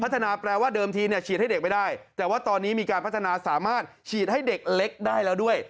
แปลว่าเดิมทีเนี่ยฉีดให้เด็กไม่ได้แต่ว่าตอนนี้มีการพัฒนาสามารถฉีดให้เด็กเล็กได้แล้วด้วย